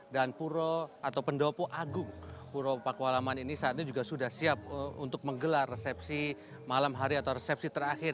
dan pura atau pendopo agung pura pakualaman ini saat ini juga sudah siap untuk menggelar resepsi malam hari atau resepsi terakhir